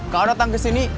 kau datang ke sini